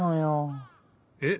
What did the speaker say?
えっ？